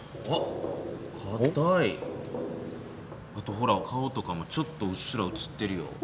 あとほら顔とかもちょっとうっすらうつってるよ。